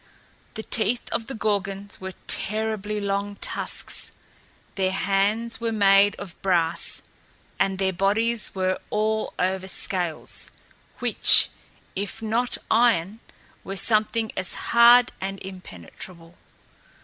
The teeth of the Gorgons were terribly long tusks, their hands were made of brass, and their bodies were all over scales, which, if not iron, were something as hard and impenetrable.